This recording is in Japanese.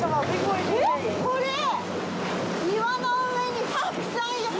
えっ、これ、岩の上にたくさんいる。